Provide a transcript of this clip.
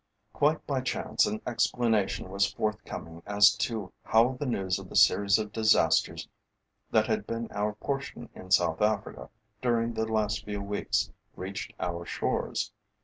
Quite by chance an explanation was forthcoming as to how the news of the series of disasters that had been our portion in South Africa during the last few weeks reached our shores.